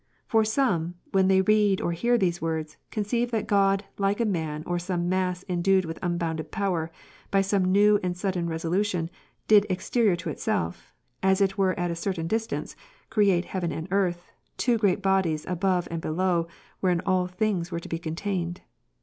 For some, when they read, or hear these words, conceive that God like a man or some mass endued with unbounded power, by some new and sudden resolution, did, exterior to itself, as it were at a certain distance, create heaven and earth, two great bodies above and below, wherein all things were to be contained.